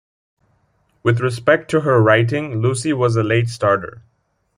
With respect to her writing, Lucy was a late starter.